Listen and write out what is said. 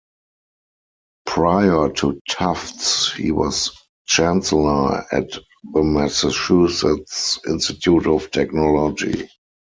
Prior to Tufts, he was chancellor at the Massachusetts Institute of Technology.